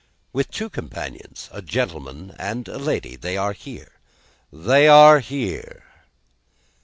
"With two companions. A gentleman and lady. They are here." "They are here.